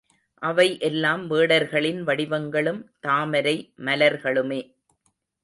அவை எல்லாம் வேடர்களின் வடிவங்களும் தாமரை மலர்களுமே.